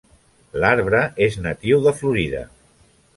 L'arbre és natiu de Florida.